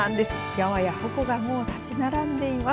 山やほこがもう立ち並んでいます。